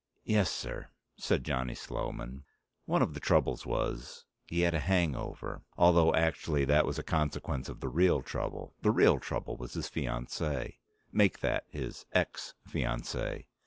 "Yes, sir," said Johnny Sloman. One of the troubles was, he had a hangover. Although, actually, that was a consequence of the real trouble. The real trouble was his fiancee. Make that his ex fiancee.